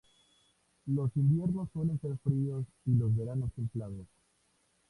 Los inviernos suelen ser fríos y los veranos templados.